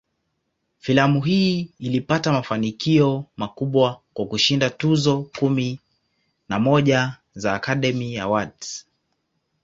Filamu hii ilipata mafanikio makubwa, kwa kushinda tuzo kumi na moja za "Academy Awards".